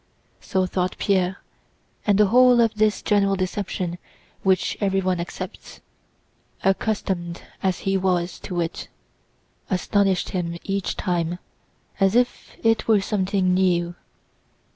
So thought Pierre, and the whole of this general deception which everyone accepts, accustomed as he was to it, astonished him each time as if it were something new.